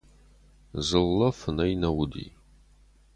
Дзыллӕ фынӕй нӕ уыди.